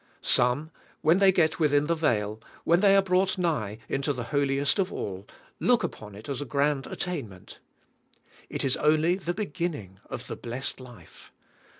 Some, when thej get within the veil, when thej are brought nigh into the holiest of all, look upon it as a grand attain ment. It is only the beginning of the blessed life.